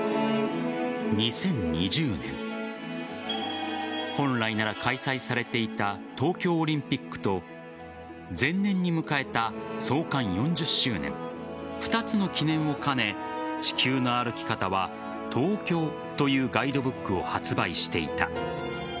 ２０２０年本来なら開催されていた東京オリンピックと前年に迎えた創刊４０周年２つの記念を兼ね「地球の歩き方」は「東京」というガイドブックを発売していた。